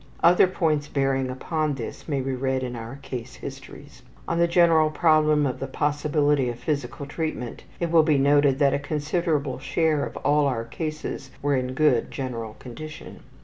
Other points bearing upon this may be read in our case histories. On the general problem of the possibility of physical treatment it will be noted that a considerable share of all our cases were in good general condition.